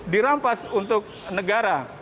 dirampas untuk negara